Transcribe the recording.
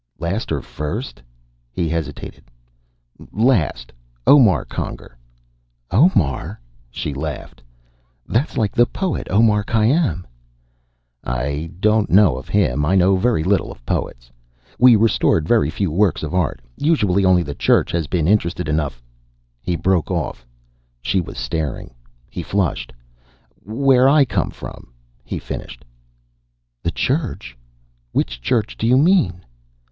"Last or first?" He hesitated. "Last. Omar Conger." "Omar?" She laughed. "That's like the poet, Omar Khayyam." "I don't know of him. I know very little of poets. We restored very few works of art. Usually only the Church has been interested enough " He broke off. She was staring. He flushed. "Where I come from," he finished. "The Church? Which church do you mean?"